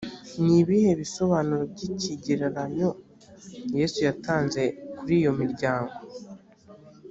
ni ibihe bisobanuro by’ ikigereranyo yesu yatanze kuri iyomiryango.